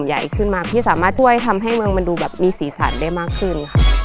ใหญ่ขึ้นมาที่สามารถช่วยทำให้เมืองมันดูแบบมีสีสันได้มากขึ้นค่ะ